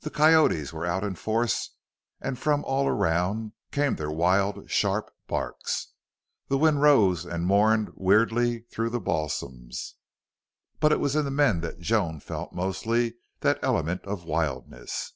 The coyotes were out in force and from all around came their wild sharp barks. The wind rose and mourned weirdly through the balsams. But it was in the men that Joan felt mostly that element of wildness.